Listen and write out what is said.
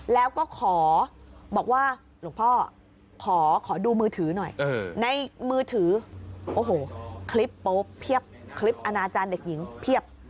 แล้วก็บอกว่าหลวงพ่อ